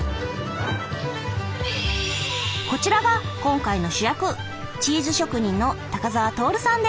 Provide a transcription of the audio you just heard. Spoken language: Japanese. こちらが今回の主役チーズ職人の高沢徹さんです。